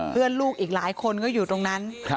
เพื่อนลูกอีกหลายคนก็หยุดตรงนั้น